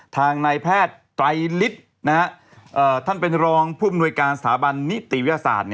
ทางนายแพทย์ไตรฤทธิ์ท่านเป็นรองผู้มนวยการสถาบันนิติวิทยาศาสตร์